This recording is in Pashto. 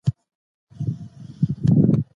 مالي ستونزې ذهنی فشار زیاتوي.